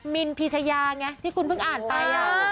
มินพีชยาไงที่คุณเพิ่งอ่านไป